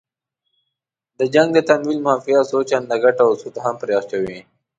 د جنګ د تمویل مافیا څو چنده ګټه او سود هم پرې اچوي.